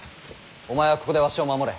お前はここでわしを守れ。